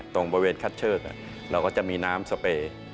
ตรงบริเวณคัดเชือกเราก็จะมีน้ำสเปย์